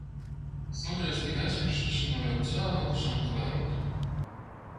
Šoreiz tik aizmirsusi novilkt zābakus un kleitu.